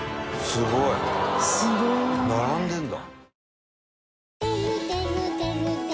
すごい！並んでるんだ。